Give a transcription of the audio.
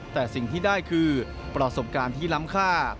แต่สิ่งที่ได้คือประสบการณ์ที่ล้ำค่า